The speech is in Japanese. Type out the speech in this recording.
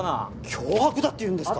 脅迫だっていうんですか！？